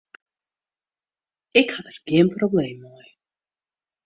Ik ha der gjin probleem mei.